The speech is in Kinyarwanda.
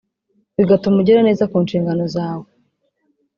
bigatuma ugera neza ku nshingano zawe